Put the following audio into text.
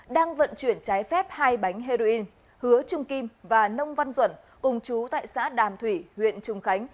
đang vận chuyển trái phép hai bánh heroin hứa trung kim và nông văn duẩn cùng chú tại xã đàm thủy huyện trùng khánh